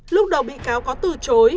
lúc đầu bị cáo có từ chối